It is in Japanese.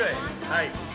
はい。